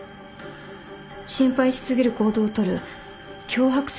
心配し過ぎる行動をとる強迫性